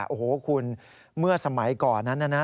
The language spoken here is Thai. โอ้โหคุณเมื่อสมัยก่อนนั้นนะ